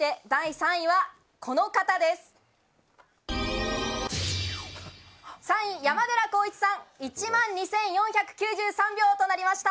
３位、山寺宏一さん、１万２４９３票となりました。